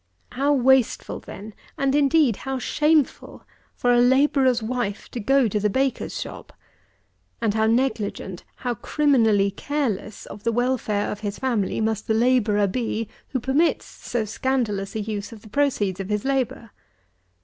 82. How wasteful, then, and, indeed, how shameful, for a labourer's wife to go to the baker's shop; and how negligent, how criminally careless of the welfare of his family, must the labourer be, who permits so scandalous a use of the proceeds of his labour!